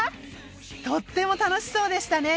とっても楽しそうでしたね。